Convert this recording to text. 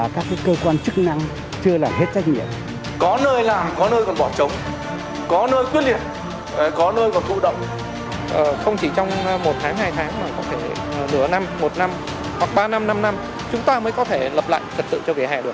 chúng ta mới có thể lập lại trật tự cho vỉa hè được